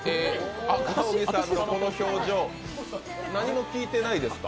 赤荻さんはこの表情、何も聞いてないですか？